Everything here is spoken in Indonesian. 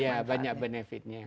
ya banyak benefitnya